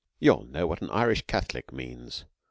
You'll know what an Irish Catholic means.